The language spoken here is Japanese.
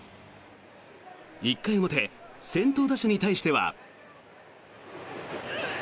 １回表、先頭打者に対しては。